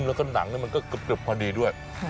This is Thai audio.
แล้วก็หนังมันกำลังกะเพ็ดเกือบพอดีด้วย